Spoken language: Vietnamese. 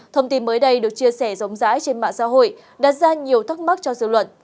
thông tin mới đây được chia sẻ rộng rãi trên mạng xã hội đặt ra nhiều thắc mắc cho dư luận